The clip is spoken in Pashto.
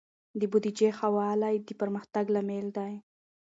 د بودیجې ښه والی د پرمختګ لامل دی.